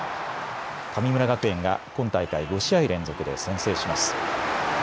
神村学園が今大会５試合連続で先制します。